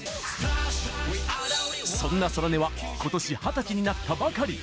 そんな空音はことし二十歳になったばかり。